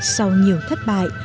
sau nhiều thất bại